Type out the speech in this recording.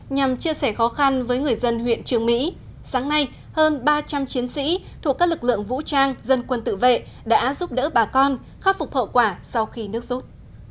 nhằm chia sẻ khó khăn với người dân huyện trường mỹ sáng nay hơn ba trăm linh chiến sĩ thuộc các lực lượng vũ trang dân quân tự vệ đã giúp đỡ bà con khắc phục hậu quả sau khi nước rút